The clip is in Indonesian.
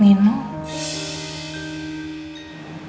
sedih banget lihat nino